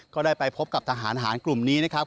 ก็ได้ไปพบกับทหารหารกลุ่มนี้นะครับ